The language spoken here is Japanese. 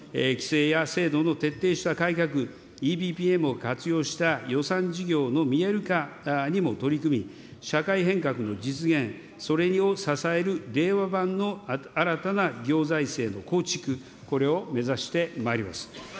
規制や制度の徹底した改革、ＥＢＰＭを活用した予算事業の見える化にも取り組み、社会変革の実現、それを支える令和版の新たな行財政の構築、これを目指してまいります。